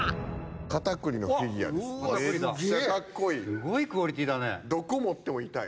すごいクオリティーだね。